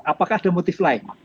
apakah ada motif lain